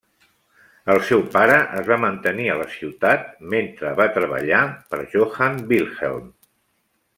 El seu pare es va mantenir a la ciutat mentre va treballar per Johann Wilhelm.